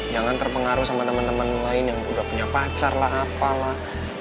jangan terpengaruh sama teman teman lain yang udah punya pacar lah apalah